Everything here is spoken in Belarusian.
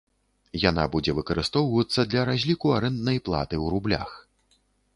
Яна будзе выкарыстоўвацца для разліку арэнднай платы ў рублях.